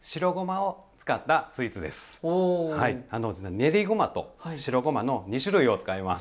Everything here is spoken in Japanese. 練りごまと白ごまの２種類を使います。